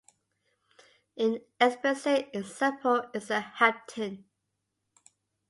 An explicit example is a hapten.